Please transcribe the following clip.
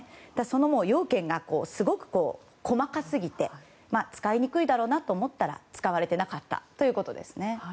その要件がすごく細かすぎて使いにくいだろうなと思ったら使われていなかったということですね。